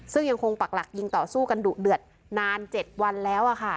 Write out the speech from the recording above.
ซึ่งยังคงปักหลักยิงต่อสู้กันดุเดือดนาน๗วันแล้วค่ะ